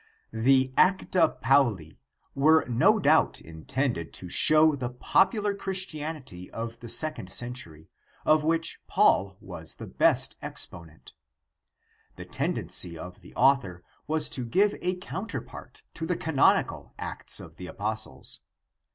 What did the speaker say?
The Acta Fault were no doubt intended to show the pop ular Christianity of the second century, of which Paul was the best exponent. The tendency of the author was to give a counterpart to the canonical Acts of the Apostles.